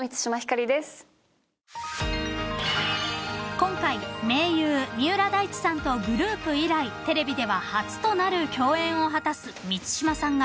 ［今回盟友三浦大知さんとグループ以来テレビでは初となる共演を果たす満島さんが］